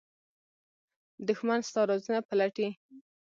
دښمن ستا رازونه پلټي